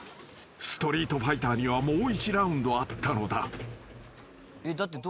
ストリートファイターにはもう１ラウンドあったのだ］